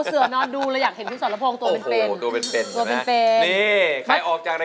เหลือแต่ที่นอน